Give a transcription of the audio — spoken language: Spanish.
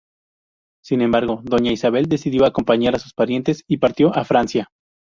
Sin embargo, Doña Isabel decidió acompañar a sus parientes y partió hacia Francia.